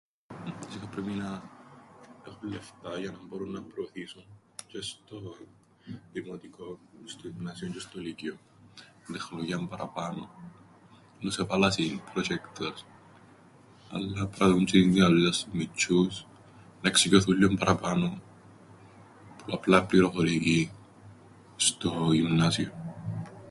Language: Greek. Βασικά πρέπει να έχουν λεφτά για να μπόρουν προωθήσουν τζ̆αι στο δημοτικόν, στο γυμνάσιον τζ̆αι στο λ΄υκειον την τεχνολογίαν παραπάνω, εννοώ σου εβάλαν ππροτζ̆έκτορς, αλλά πρέπει να διούν τζ̆αι την δυνατότηταν στους μιτσ̆ούς να εξοικειωθούν λλίον παραπάνω που απλά πληροφορικήν στο γυμνάσιον.